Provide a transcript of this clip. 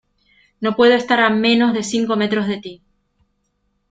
no puedo estar a menos de cinco metros de ti